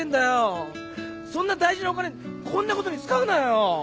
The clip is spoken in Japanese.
そんな大事なお金こんなことに使うなよ。